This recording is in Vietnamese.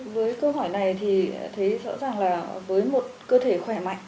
với câu hỏi này thì thấy rõ ràng là với một cơ thể khỏe mạnh